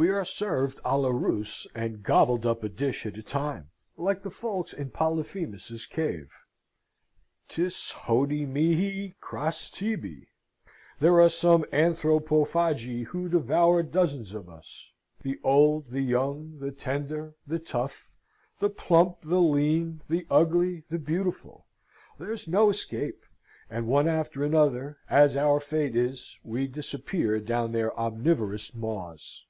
We are served a la Russe, and gobbled up a dish at a time, like the folks in Polyphemus's cave. 'Tis hodie mihi, cras tibi: there are some Anthropophagi who devour dozens of us, the old, the young, the tender, the tough, the plump, the lean, the ugly, the beautiful: there's no escape, and one after another, as our fate is, we disappear down their omnivorous maws.